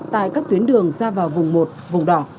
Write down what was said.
tại các tuyến đường ra vào vùng một vùng đỏ